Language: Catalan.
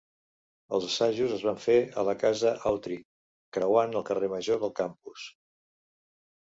Els assajos es van fer a la Casa Autry, creuant el Carrer Major del campus.